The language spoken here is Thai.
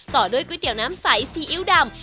ต่อด้วยก๋วยเตี๋ยวน้ำใสซีอิ๊วดำ